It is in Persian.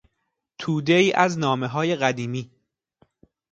تودهای از نامههای قدیمی